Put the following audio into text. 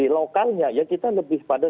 lokalnya ya kita lebih pada